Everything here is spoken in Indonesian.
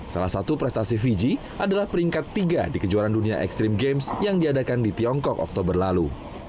salah satu prestasi fiji adalah peringkat tiga di kejuaraan dunia ekstrim games yang diadakan di tiongkok oktober lalu